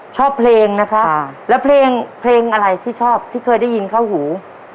ชอบเพลงนะคะแล้วเพลงเพลงอะไรที่ชอบที่เคยได้ยินเข้าหู